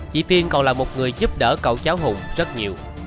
chị tiên còn là một người giúp đỡ cậu cháu hùng rất nhiều